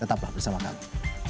tetaplah bersama kami